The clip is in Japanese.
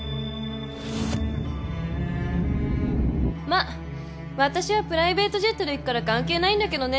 まっ私はプライベートジェットで行くから関係ないんだけどね。